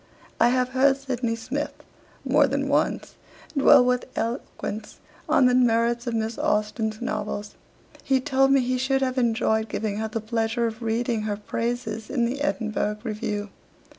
'I have heard Sydney Smith, more than once, dwell with eloquence on the merits of Miss Austen's novels. He told me he should have enjoyed giving her the pleasure of reading her praises in the "Edinburgh Review."